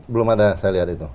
belum ada saya lihat itu